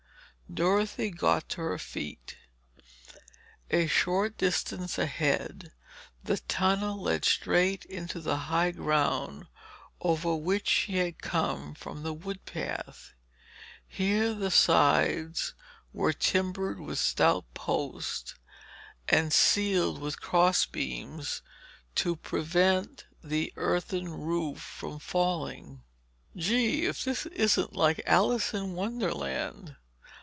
Dorothy got to her feet. A short distance ahead the tunnel led straight into the high ground over which she had come from the wood path. Here the sides were timbered with stout posts, and ceiled with cross beams to prevent the earthen roof from falling. "Gee, if this isn't like Alice in Wonderland!